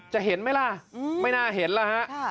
จะเห็นไหมล่ะไม่น่าเห็นล่ะ